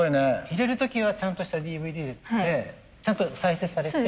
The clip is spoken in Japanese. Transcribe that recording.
入れる時はちゃんとしたＤＶＤでちゃんと再生されて。